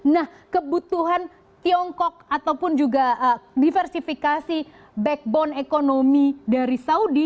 nah kebutuhan tiongkok ataupun juga diversifikasi backbone ekonomi dari saudi